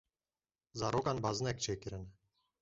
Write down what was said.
Zarokan bazinek çêkirine.